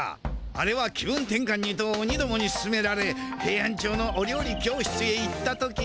あれは気分転かんにとオニどもにすすめられヘイアンチョウのお料理教室へ行った時。